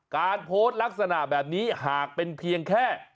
การโพสต์ลักษณะแบบนี้หากเป็นเพียงแค่